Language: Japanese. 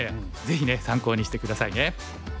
ぜひね参考にして下さいね。